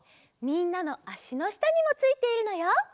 みんなのあしのしたにもついているのよ。